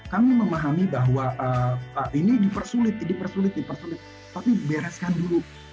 kami memahami bahwa ini dipersulit dipersulit dipersulit tapi bereskan dulu